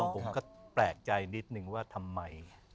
ผมก็แปลกใจนิดนึงว่าทำไม